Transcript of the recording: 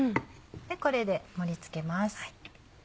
これで盛り付けます。